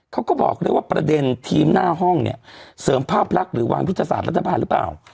เขาบอกด้วยว่าประเด็นทีมหน้าห้องเนี่ยเสริมภาพลักษณ์หรือวางยุทธศาสตรัฐบาลหรือเปล่า